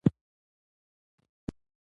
ما ورته وویل: پوه شوم، دا خو ډېر ښه توپیر دی.